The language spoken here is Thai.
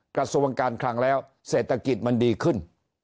กระทรวงการคลังแล้วเศรษฐกิจมันดีขึ้น